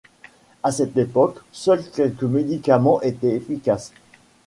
À cette époque, seuls quelques médicaments étaient efficaces.